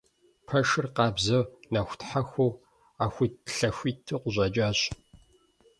Пэшыр къабзэу нэхутхьэхуу Ӏэхуитлъэхуиту къыщӀэкӀащ.